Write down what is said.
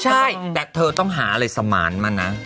ใช่แต่เธอต้องหาอะไรสมานมานะ